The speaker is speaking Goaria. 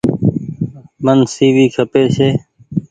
مين سي وي کپي ڇي۔